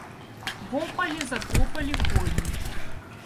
Во поле затопали кони.